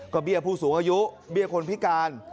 ก็เบี้ยผู้สูงอายุเบี้ยคนพิการ